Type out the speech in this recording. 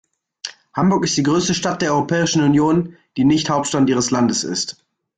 Hamburg ist die größte Stadt der Europäischen Union, die nicht Hauptstadt ihres Landes ist.